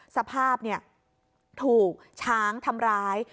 สภาพถูกช้างทำร้าย